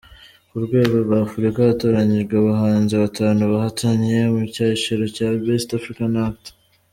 Ku rwego rwa Afurika, hatoranyijwe abahanzi batanu bahatanye mu cyiciro cya Best African Act.